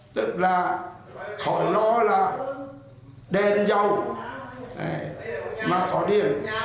tức là khỏi lo là đèn dầu mà có điện